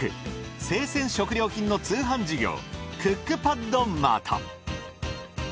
生鮮食料品の通販事業クックパッドマート。